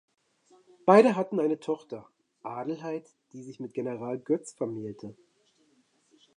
Beide hatten eine Tochter, Adelheid, die sich mit General Götz vermählte.